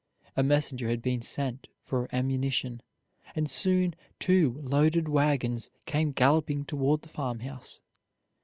A messenger had been sent for ammunition, and soon two loaded wagons came galloping toward the farmhouse.